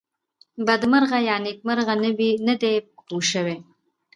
بدمرغه یا نېکمرغه نه دی پوه شوې!.